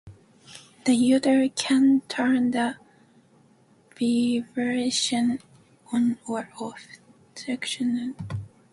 The user can turn the vibration on or off, selecting anti-aliasing or no anti-aliasing.